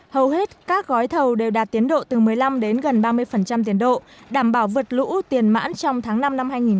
hầu hết các gói thầu đều đạt tiến độ từ một mươi năm đến gần ba mươi tiến độ đảm bảo vượt lũ tiền mãn trong tháng năm năm hai nghìn hai mươi